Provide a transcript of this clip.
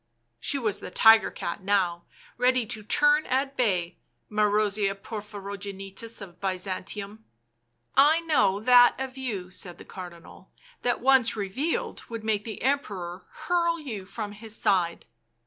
She was the tiger cat now, ready to turn at bay, Marozia Porphyrogenitus of Byzantium. " I know that of you," said the Cardinal, " that once revealed, would make the Emperor hurl you from his side."